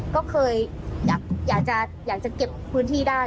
ก็เคยอยากจะเก็บพื้นที่ได้